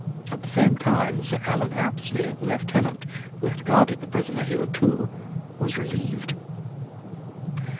At the same time Sir Allen Apsley, the Lieutenant, who had guarded the prisoner hitherto, was relieved.